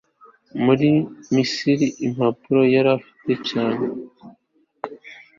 Muri sterile impapuro Yari hafi cyane